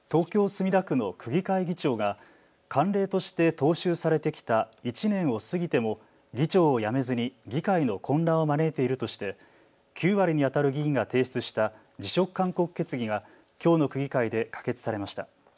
墨田区の区議会議長が慣例として踏襲されてきた１年を過ぎても議長を辞めずに議会の混乱を招いているとして９割にあたる議員が提出した辞職勧告決議がきょうの区議会で可決されました。